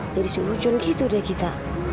jadi seujun gitu deh kita